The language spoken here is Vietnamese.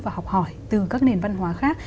và học hỏi từ các nền văn hóa khác